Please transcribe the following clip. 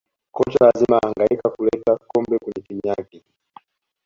kocha lazima ahangaika kuleta kombe kwenye timu yake